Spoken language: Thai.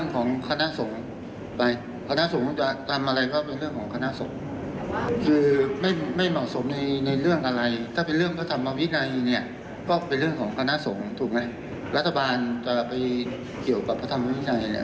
ก็เป็นเรื่องปล่อยให้ชนะสงฆ์ทำไป